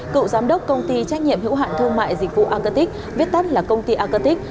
cựu giám đốc công ty trách nhiệm hữu hạn thương mại dịch vụ acetic viết tắt là công ty acatic